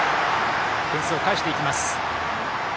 点数を返していきます。